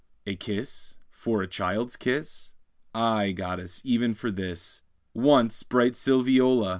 A kiss? for a child's kiss? Aye, goddess, even for this. Once, bright Sylviola!